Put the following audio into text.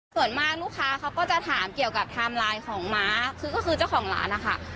ส่วนมากลูกค้าเขาก็จะถามเกี่ยวกับไทม์ไลน์ของม้าคือก็คือเจ้าของร้านนะคะ